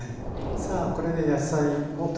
さあこれで野菜を整えて。